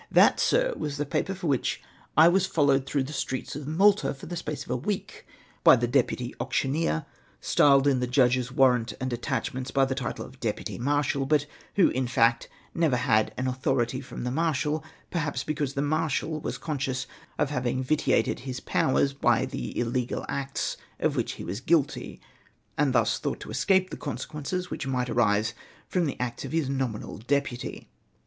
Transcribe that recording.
That, Sii', was the paper for which I was follow^ed through the streets of ]\lalta for the sjDace of a week by the deputy auctioneer, styled in the judge's warrant and attachments by the title of 'deputy marshal,' but who, in fact, never had an authority from the marshal ; perhaps, because the marslial was conscious of having vitiated his powers by the illegal acts of which he was guilty, and thus thought to escape the consequences whicli might arise from the acts of his nominal deputy.